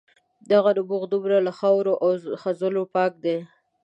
دغه نبوغ دومره له خاورو او خځلو پاک دی.